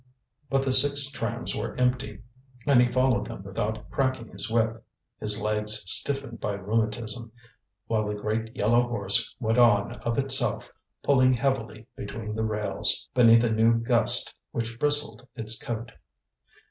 But the six trams were empty, and he followed them without cracking his whip, his legs stiffened by rheumatism; while the great yellow horse went on of itself, pulling heavily between the rails beneath a new gust which bristled its coat.